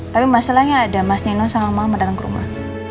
tapi masalahnya ada mas nino sama mama datang ke rumah